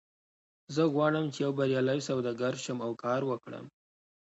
زه غواړم چې یو بریالی سوداګر شم او کار وکړم